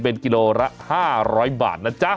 เป็นกิโลละ๕๐๐บาทนะจ๊ะ